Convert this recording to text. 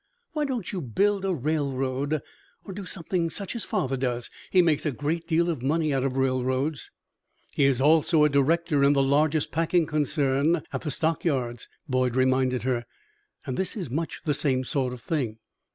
"Why don't you build a railroad or do something such as father does? He makes a great deal of money out of railroads." "He is also a director in the largest packing concern at the Stock Yards," Boyd reminded her. "This is much the same sort of thing."